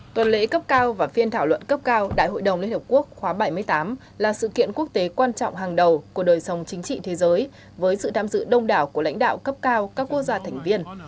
tuần lễ cấp cao và phiên thảo luận cấp cao đại hội đồng liên hợp quốc khóa bảy mươi tám là sự kiện quốc tế quan trọng hàng đầu của đời sống chính trị thế giới với sự tham dự đông đảo của lãnh đạo cấp cao các quốc gia thành viên